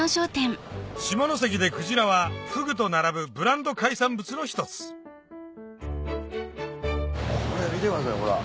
下関でクジラはフグと並ぶブランド海産物の一つこれ見てくださいほら。